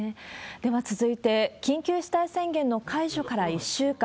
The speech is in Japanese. では続いて、緊急事態宣言の解除から１週間。